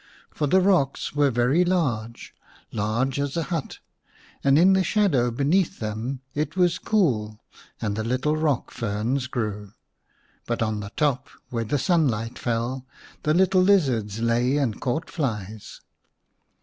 For the rocks were large, large as a hut, and in the shadow beneath them it was cool and the little rock ferns grew ; but on the top, where the sunlight fell, the little lizards lay and caught flies.